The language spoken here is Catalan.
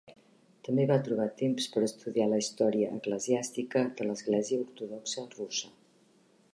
També va trobar temps per estudiar la història eclesiàstica de l'Església Ortodoxa Russa.